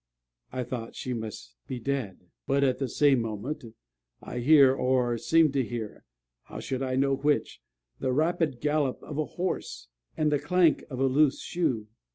I thought she must be dead. But at the same moment, I hear, or seemed to hear, (how should I know which?) the rapid gallop of a horse, and the clank of a loose shoe.